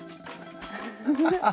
フフフッ。